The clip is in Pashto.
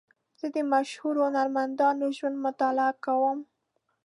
زه د مشهورو هنرمندانو ژوند مطالعه کوم.